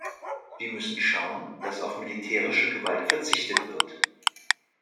Wir müssen schauen, dass auf militärische Gewalt verzichtet wird.